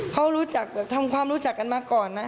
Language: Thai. เขารู้จักแบบทำความรู้จักกันมาก่อนนะ